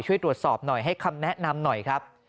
ช่วยตรวจสอบหน่อยให้คำแนะนำหน่อยครับ